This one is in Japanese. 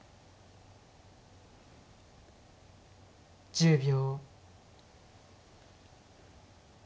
１０秒。